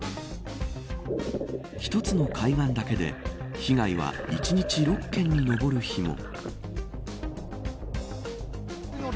１つの海岸だけで被害は一日６件に上る日も。